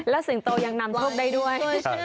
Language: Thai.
สิงโตยังนำโชคได้ด้วย